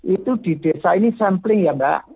itu di desa ini sampling ya mbak